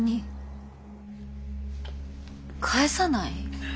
返さない？